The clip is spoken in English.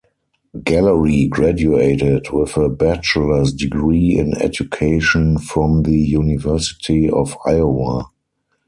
Gallery graduated with a bachelor's degree in education from the University of Iowa.